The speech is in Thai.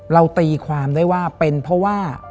ตีความได้ว่าเป็นเพราะว่า